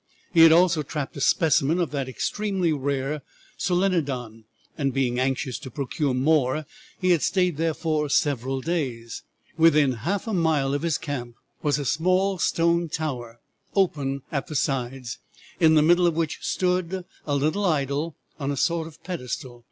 He had also trapped a specimen of the extremely rare Solenodon, and being anxious to procure more he had stayed there for several days. Within half a mile of his camp was a small stone tower open at the sides, in the middle of which stood a little idol on a sort of pedestal.